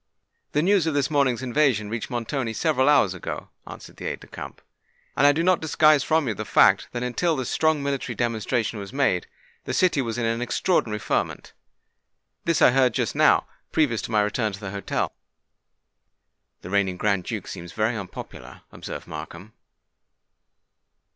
"The news of this morning's invasion reached Montoni several hours ago," answered the aide de camp; "and I do not disguise from you the fact that until this strong military demonstration was made, the city was in an extraordinary ferment. This I heard just now, previous to my return to the hotel." "The reigning Grand Duke seems very unpopular," observed Markham.